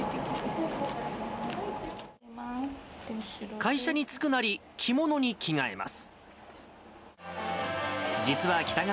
会社に着くなり、着物に着替えます。